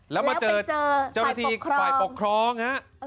แล้วไปเจอฝ่ายปกครอง